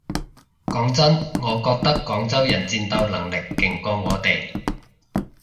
講真我覺得廣州人戰鬥能力勁過我哋